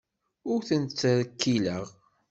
Ur ten-ttrekkileɣ.